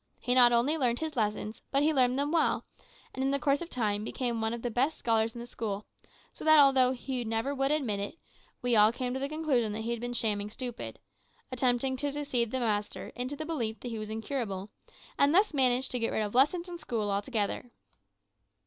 He not only learned his lessons, but he learned them well, and in the course of time became one of the best scholars in the school; so that although he never would admit it, we all came to the conclusion he had been shamming stupid attempting to deceive the master into the belief that he was incurable, and thus manage to get rid of lessons and school altogether."